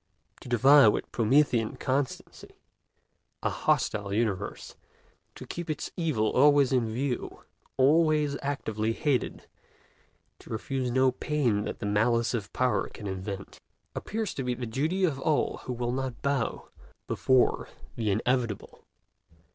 To defy with Promethean constancy a hostile universe, to keep its evil always in view, always actively hated, to refuse no pain that the malice of Power can invent, appears to be the duty of all who will not bow before the inevitable.